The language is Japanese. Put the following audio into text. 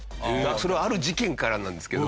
それはある事件からなんですけど。